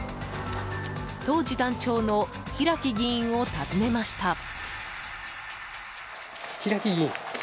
当時団長の平木議員を訪ねました。